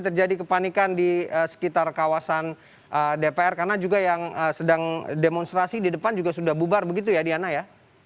terjadi kepanikan di sekitar kawasan dpr karena juga yang sedang demonstrasi di depan juga sudah bubar begitu ya diana ya